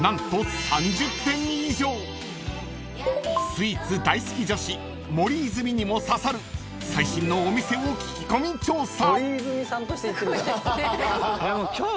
［スイーツ大好き女子森泉にも刺さる最新のお店を聞き込み調査］